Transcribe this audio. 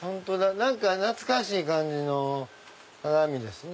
何か懐かしい感じの鏡ですね。